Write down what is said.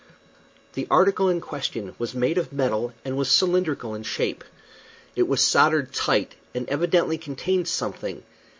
The article in question was made of metal and was cylindrical in shape. It was soldered tight and evidently contained something.